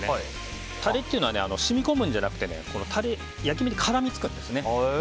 タレっていうのは染み込むんじゃなくて焼き目に絡みつくんですね。